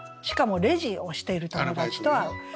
しかもレジをしている友達と会う。